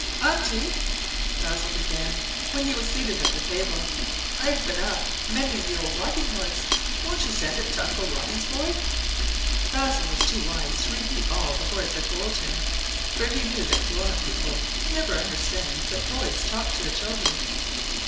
"Auntie," Basil began, when he was seated at the table, "I have been mending up the old rocking horse; won't you send it to Uncle Robbie's boy?" Basil was too wise to repeat all the old horse had told him, for he knew that grown up people never understand that toys talk to the children.